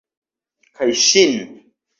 Kaj ŝin.